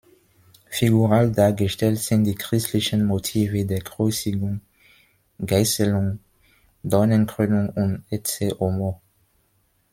Figural dargestellt sind die christlichen Motive der Kreuzigung, Geißelung, Dornenkrönung und Ecce homo.